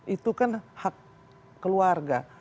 itu kan hak keluarga